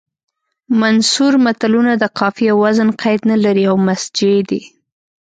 منثور متلونه د قافیې او وزن قید نه لري او مسجع دي